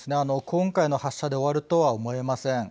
今回の発射で終わるとは思いません。